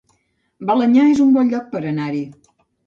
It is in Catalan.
Balenyà es un bon lloc per anar-hi